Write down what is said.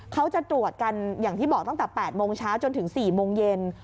เขาจะตรวจกันอย่างที่บอกตั้งแต่๘โมงเช้าจนถึง๔โมงเย็น